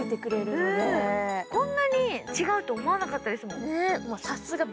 こんなに違うと思わなかったですもん。